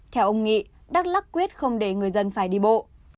theo ông nghị đắk lắc quyết không để người dân phải đi bộ